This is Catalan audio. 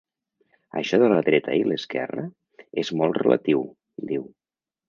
Això de la dreta i l'esquerra és molt relatiu —diu—.